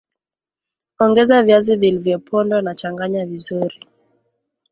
Ongeza viazi vilivyopondwa na changanya vizuri